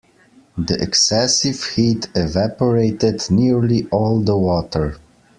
The excessive heat evaporated nearly all the water.